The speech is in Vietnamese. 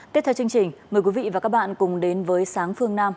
tiếp theo chương trình mời quý vị và các bạn cùng đến với sáng phương nam